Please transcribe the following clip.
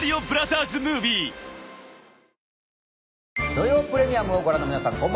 『土曜プレミアム』をご覧の皆さん